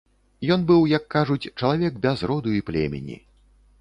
Ён быў, як кажуць, чалавек без роду і племені.